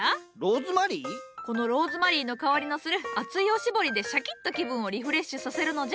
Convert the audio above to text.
このローズマリーの香りのする熱いおしぼりでシャキッと気分をリフレッシュさせるのじゃ。